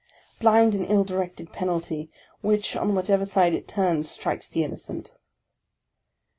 Blind and ill directed penalty; which, on whatever side it turns, strikes the innocent